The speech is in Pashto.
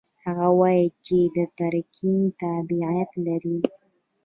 هغه وايي چې د ترکیې تابعیت لري.